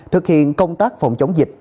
thực hiện công tác phòng chống dịch